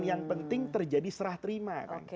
kan yang penting terjadi serah terima kan